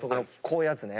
こういうやつね。